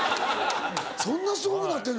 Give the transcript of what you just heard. そんなすごくなってるの。